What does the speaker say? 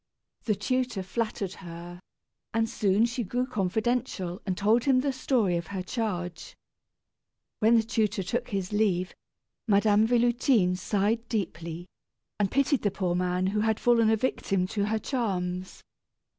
The tutor flattered her, and soon she grew confidential and told him the story of her charge. When the tutor took his leave, Madame Véloutine sighed deeply, and pitied the poor man who had fallen a victim to her charms.